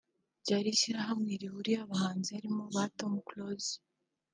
ryari nk’ishyirahamwe rihuriyemo abahanzi harimo ba Tom Close